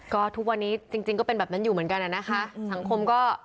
ก็ทุกวันนี้จริงก็เป็นแบบนั้นอยู่เหมือนกันนะคะสังคมก็